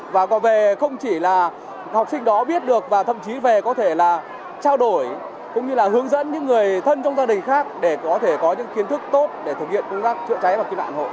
và có về không chỉ là học sinh đó biết được và thậm chí về có thể là trao đổi cũng như là hướng dẫn những người thân trong gia đình khác để có thể có những kiến thức tốt để thực hiện công tác chữa cháy và cứu nạn hộ